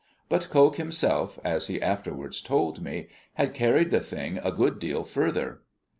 But Coke himself, as he afterwards told me, had carried the thing a good deal further.